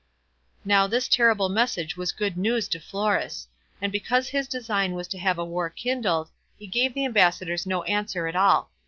Now this terrible message was good news to Florus; and because his design was to have a war kindled, he gave the ambassadors no answer at all.